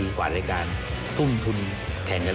ก็คือคุณอันนบสิงต์โตทองนะครับ